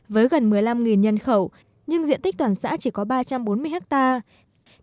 với gần một mươi năm nhân khẩu nhưng diện tích toàn xã chỉ có ba trăm bốn mươi hectare